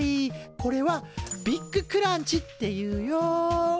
これはビッグクランチっていうよ。